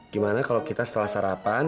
gimana kalau kita setelah sarapan